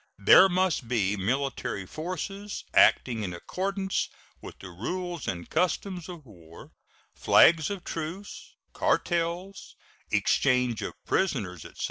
There must be military forces acting in accordance with the rules and customs of war, flags of truce, cartels, exchange of prisoners, etc.